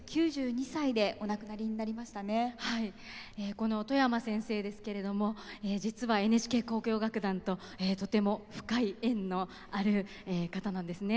この外山先生ですけれども実はＮＨＫ交響楽団ととても深い縁のある方なんですね。